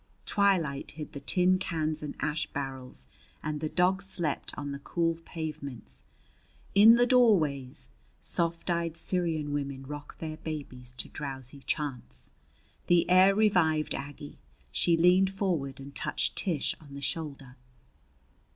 Twilight hid the tin cans and ash barrels, and the dogs slept on the cool pavements. In the doorways soft eyed Syrian women rocked their babies to drowsy chants. The air revived Aggie. She leaned forward and touched Tish on the shoulder.